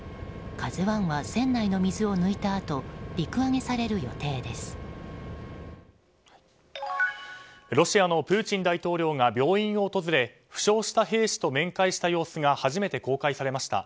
「ＫＡＺＵ１」は船内の水を抜いたあとロシアのプーチン大統領が病院を訪れ負傷した兵士と面会した様子が初めて公開されました。